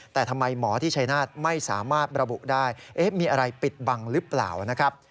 แต่ทำไมหมอที่ชายนาฏไม่สามารถระบุได้มีอะไรปิดบังหรือเปล่านะครับ